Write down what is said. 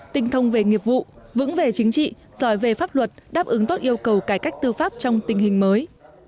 tinh thông về nghiệp vụ vững về chính trị giỏi về pháp luật đáp ứng tốt yêu cầu cải cách tư pháp trong tình hình mới